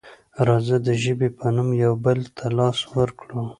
راځه د ژبې په نوم یو بل ته لاس ورکړو.